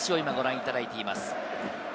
野手をご覧いただいています。